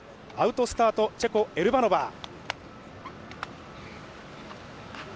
アウトスタートチェコ、エルバノバ。